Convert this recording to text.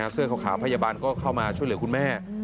เสื้อขาวพยาบาลก็เข้ามาช่วยเหลือคุณแม่